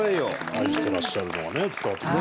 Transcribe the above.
愛してらっしゃるのがね伝わってきますね。